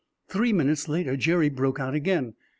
Three minutes later Jerry broke out again.